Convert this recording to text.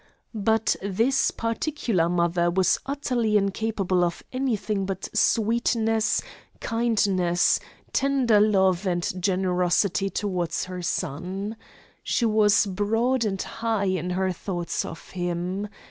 But this particular mother was utterly incapable of anything but sweetness, kindness, tender love and generosity toward her son. She was broad and high in her thoughts of him.